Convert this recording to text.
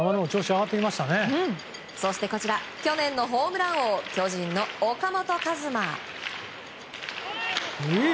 そしてこちら去年のホームラン王巨人の岡本和真。